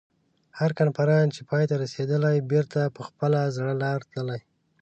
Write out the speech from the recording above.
هر کنفرانس چې پای ته رسېدلی بېرته په خپله زړه لاره تللي.